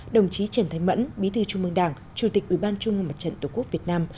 đồng chí trần thái mẫn bí thư trung mương đảng chủ tịch ủy ban trung ương mặt trận tổ quốc việt nam